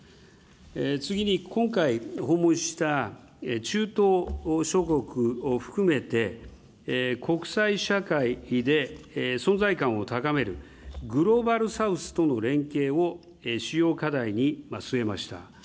次に、今回訪問した中東諸国を含めて、国際社会で存在感を高めるグローバル・サウスとの連携を主要課題に据えました。